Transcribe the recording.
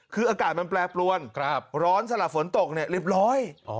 คืออากาศมันแปรปรวนร้อนสลับฝนตกเนี่ยเรียบร้อย